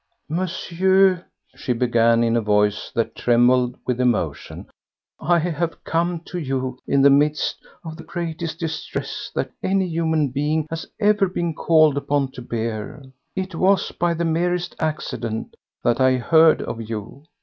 "Monsieur," she began in a voice that trembled with emotion, "I have come to you in the midst of the greatest distress that any human being has ever been called upon to bear. It was by the merest accident that I heard of you.